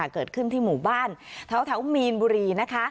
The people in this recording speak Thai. เกิดขึ้นที่หมู่บ้านเท้ามีนบุรี